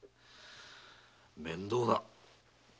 面倒だ。